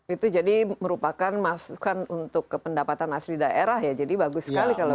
itu jadi merupakan masukan untuk kependapatan asli daerah ya jadi bagus sekali kalau